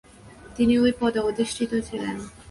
তিনি ওই পদে অধিষ্ঠিত ছিলেন।